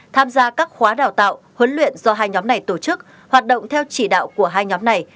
tham gia các khóa đào tạo huấn luyện do hai nhóm này tổ chức hoạt động theo chỉ đạo của hai nhóm này